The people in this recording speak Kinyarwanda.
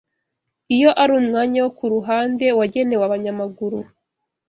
iyo ari umwanya wo ku ruhande wagenewe abanyamaguru,